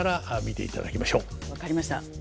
分かりました。